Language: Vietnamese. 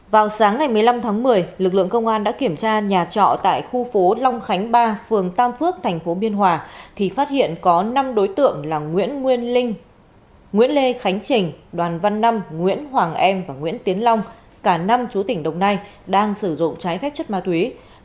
vào sáng ngày một mươi năm tháng một mươi lực lượng công an đã kiểm tra nhà trọ tại khu phố long khánh ba phường tam phước thành phố biên hòa thì phát hiện có năm đối tượng là nguyễn lê khánh trình đoàn văn năm nguyễn hoàng em và nguyễn tiến long cả năm chú tỉnh đồng nai đang sử dụng trái phép chất ma túy